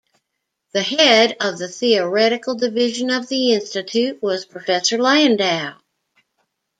The head of the theoretical division of the Institute was Professor Landau.